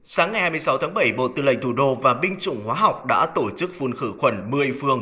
sáng ngày hai mươi sáu tháng bảy bộ tư lệnh thủ đô và binh chủng hóa học đã tổ chức phun khử khuẩn một mươi phương